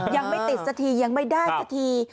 ยังไม่ติดสักทียังไม่ได้สักที